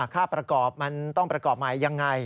ค่าประกอบมันต้องประกอบใหม่ยังไง